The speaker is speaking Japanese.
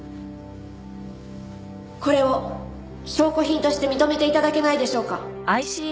これを証拠品として認めて頂けないでしょうか？